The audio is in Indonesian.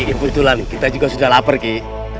kebetulan kita juga sudah lapar ki